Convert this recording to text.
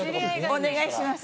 お願いします。